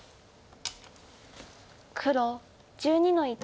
黒１２の一。